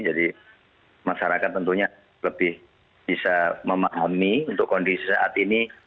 jadi masyarakat tentunya lebih bisa memahami untuk kondisi saat ini